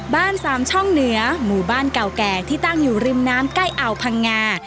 สามช่องเหนือหมู่บ้านเก่าแก่ที่ตั้งอยู่ริมน้ำใกล้อ่าวพังงา